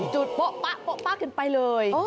จุดปะป้ะเกินไปเลย